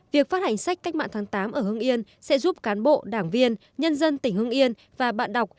việc phát hành sách cách mạng tháng tám ở hương yên sẽ giúp cán bộ đảng viên nhân dân tỉnh hưng yên và bạn đọc